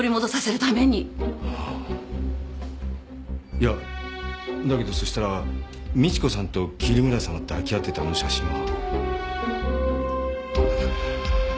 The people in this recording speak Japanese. いやだけどそしたら美知子さんと桐村さんが抱き合ってたあの写真は。